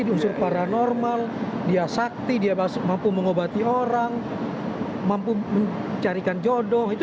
diusir paranormal dia sakti dia mampu mengobati orang mampu mencarikan jodoh itu